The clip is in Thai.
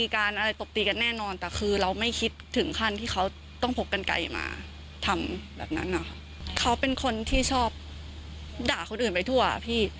เขาเป็นคนที่ชอบด่าคนอื่นไปทั่วอ่ะพี่